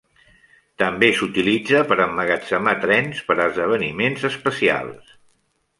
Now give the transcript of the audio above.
També s'utilitza per emmagatzemar trens per a esdeveniments especials.